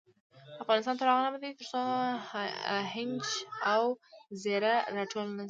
افغانستان تر هغو نه ابادیږي، ترڅو هینجه او زیره راټوله نشي.